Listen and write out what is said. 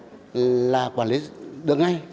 có thể chưa quản lý được ngay